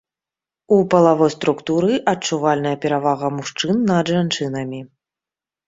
У палавой структуры адчувальная перавага мужчын над жанчынамі.